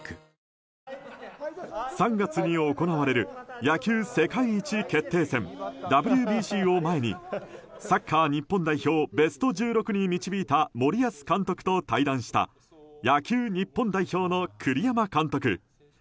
３月に行われる野球世界一決定戦ＷＢＣを前にサッカー日本代表をベスト１６に導いた森保監督と対談した野球日本代表の栗山監督。